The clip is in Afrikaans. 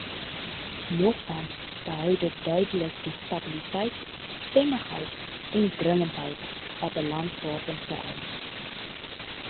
Nogtans behou dit duidelik die stabiliteit, stemmigheid en dringendheid wat 'n Landswapen vereis.